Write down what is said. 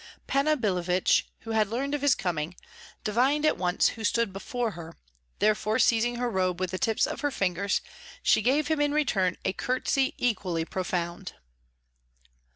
Panna Billevich, who had learned of his coming, divined at once who stood before her; therefore seizing her robe with the tips of her fingers, she gave him in return a courtesy equally profound.